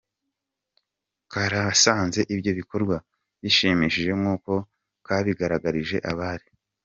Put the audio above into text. karasanze ibyo bikorwa bishimishije nk’uko kabigaragarije abari